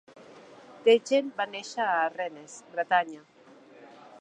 Teitgen va néixer a Rennes, Bretanya.